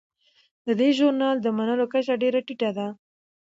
د دې ژورنال د منلو کچه ډیره ټیټه ده.